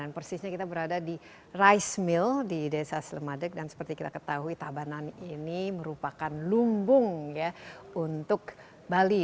dan persisnya kita berada di rice mill di desa selemadeg dan seperti kita ketahui tabanan ini merupakan lumbung ya untuk bali